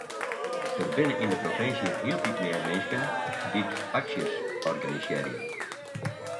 Der binne yn de provinsje hieltyd mear minsken dy't aksjes organisearje.